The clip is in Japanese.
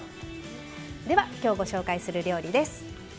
では今日ご紹介する料理です。